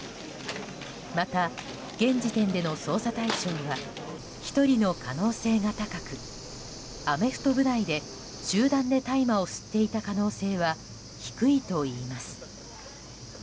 また、現時点での捜査対象は１人の可能性が高くアメフト部内で集団で大麻を吸っていた可能性は低いといいます。